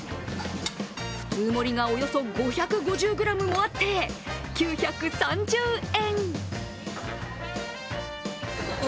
普通盛りがおよそ５５０ｇもあって９３０円。